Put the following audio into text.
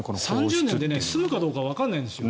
３０年で済むかどうかわからないんですよ。